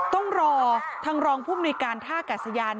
ต้องรอทางรองพุ่มในการท่ากัดสยาน